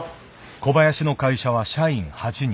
小林の会社は社員８人。